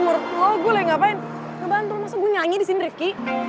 menurut lo gue lagi ngapain lo bantu masa gue nyanyi disini rifqi